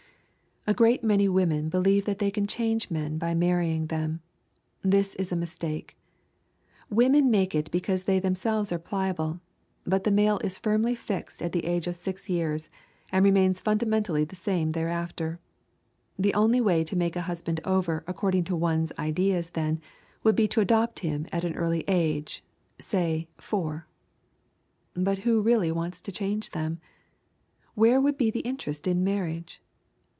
A great many women believe that they can change men by marrying them. This is a mistake. Women make it because they themselves are pliable, but the male is firmly fixed at the age of six years, and remains fundamentally the same thereafter. The only way to make a husband over according to one's ideas then would be to adopt him at an early age, say four. But who really wants to change them? Where would be the interest in marriage?